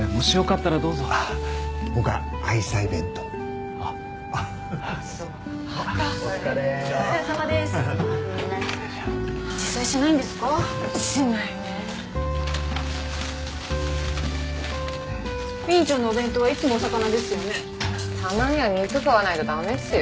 たまには肉食わないとダメっすよ。